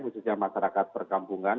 khususnya masyarakat perkampungan